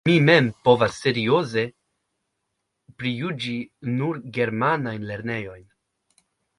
Mi mem povas serioze prijuĝi nur germanajn lernejojn.